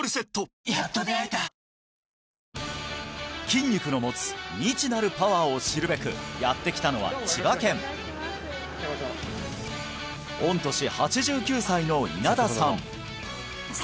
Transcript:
筋肉の持つ未知なるパワーを知るべくやって来たのは千葉県御年８９歳の稲田さん